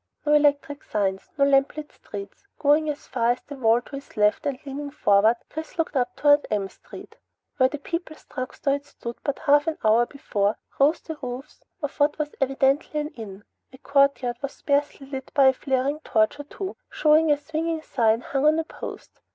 No electric signs, no lamplit streets. Going as far as the wall to his left and leaning forward, Chris looked up toward M Street. Where the People's Drugstore had stood but a half hour before, rose the roofs of what was evidently an inn. A courtyard was sparsely lit by a flaring torch or two, showing a swinging sign hung on a post.